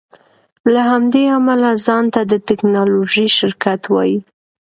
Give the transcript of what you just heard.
له همدې امله ځان ته د ټیکنالوژۍ شرکت وایې